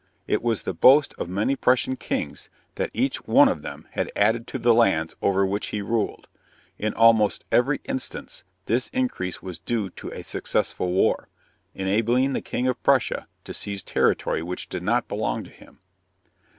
It was the boast of many Prussian kings that each one of them had added to the lands over which he ruled. In almost every instance this increase was due to a successful war, enabling the king of Prussia to seize territory which did not belong to him.